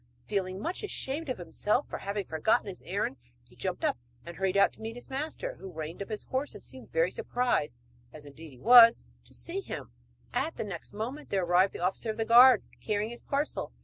Feeling much ashamed of himself for having forgotten his errand, he jumped up and hurried out to meet his master, who reined up his horse, and seemed very surprised (as indeed he was) to see him. At that moment there arrived the officer of the guard carrying his parcel.